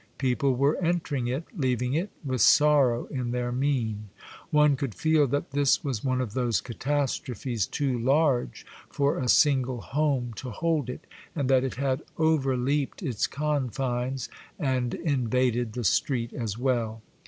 People were entering it, leaving it, with sorrow in their mien. One could feel that this was one of those catastrophes too large for a single home to hold it, and that it had overleaped its confines and invaded the street as well.